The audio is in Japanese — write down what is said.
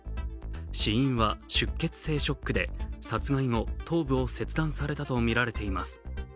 死因は出血性ショックで殺害後、頭部を切断されたとみられています。